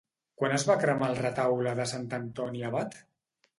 Quan es va cremar el Retaule de Sant Antoni Abat?